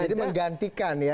jadi menggantikan ya